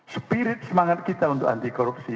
spirit semangat kita untuk anti korupsi